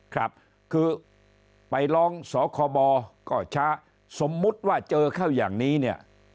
ครับคือไปร้องสคบก็ช้าสมมุติว่าเจอเข้าอย่างนี้เนี่ย